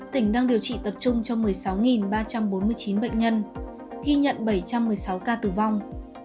tỉnh đang điều trị tập trung cho một mươi sáu ba trăm bốn mươi chín bệnh nhân ghi nhận bảy trăm một mươi sáu ca tử vong